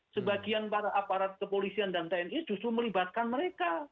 sebagian para aparat kepolisian dan tni justru melibatkan mereka